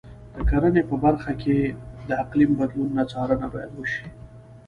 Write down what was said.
د کرنې په برخه کې د اقلیم بدلونونو څارنه باید وشي.